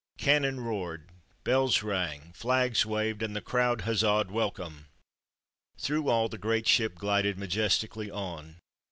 Cannon roared, bells rang, flags waved, and the crowd huzzaed welcome. Through all the great ship glided majestically on.